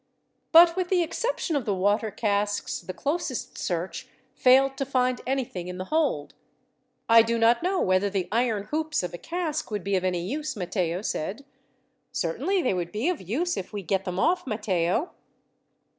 But with the exception of the water casks, the closest search failed to find anything in the hold. "I do not know whether the iron hoops of a cask would be of any use," Matteo said. "Certainly they would be of use, if we get them off, Matteo."